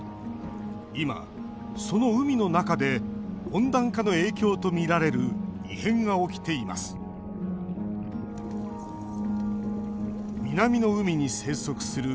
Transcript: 今、その海の中で温暖化の影響とみられる異変が起きています。